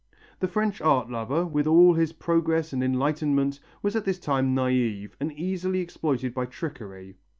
The French art lover, with all his progress and enlightenment, was at this time naive, and easily exploited by trickery.